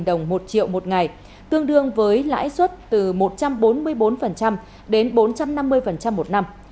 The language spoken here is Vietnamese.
bốn đồng đến một mươi hai năm đồng một triệu một ngày tương đương với lãi suất từ một trăm bốn mươi bốn đến bốn trăm năm mươi một năm